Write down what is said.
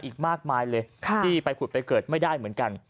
อีกมากมายเลยที่ไปผุดไปเกิดไม่ได้เหมือนกัน